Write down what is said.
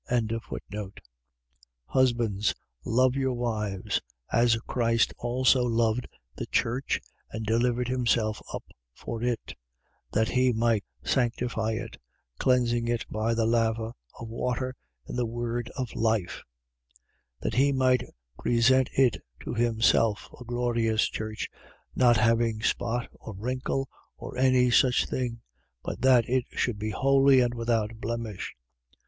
5:25. Husbands, love your wives, as Christ also loved the church and delivered himself up for it: 5:26. That he might sanctify it, cleansing it by the laver of water in the word of life: 5:27. That he might present it to himself, a glorious church, not having spot or wrinkle or any such thing; but that it should be holy and without blemish.